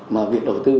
mà việc đầu tư